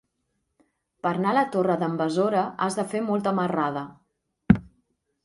Per anar a la Torre d'en Besora has de fer molta marrada.